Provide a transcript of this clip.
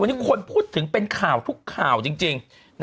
วันนี้คนพูดถึงเป็นข่าวทุกข่าวจริง